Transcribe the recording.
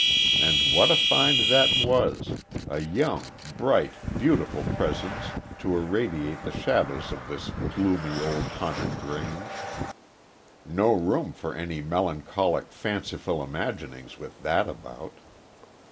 And what a find that was a young, bright, beautiful presence to irradiate the shadows of this gloomy old haunted grange. No room for any melancholic, fanciful imaginings with that about.